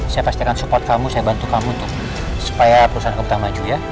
saya pastikan support kamu saya bantu kamu untuk supaya perusahaan kamu maju ya